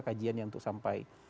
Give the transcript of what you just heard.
kajiannya untuk sampai